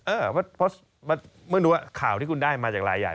เออเพราะเมื่อดูว่าข่าวที่คุณได้มาจากรายใหญ่